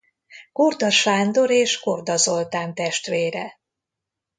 Korda Sándor és Korda Zoltán testvére.